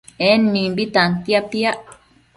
En mimbi tantia piac